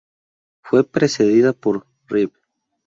Fue precedida por "Rev.